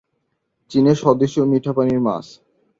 চীনে স্বদেশীয় মিঠাপানির মাছ।